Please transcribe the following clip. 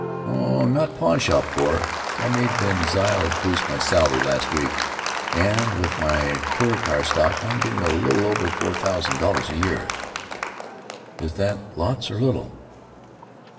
"Oh, not pawn shop poor. I made VanZile boost my salary, last week, and with my Touricar stock I'm getting a little over four thousand dollars a year." "Is that lots or little?"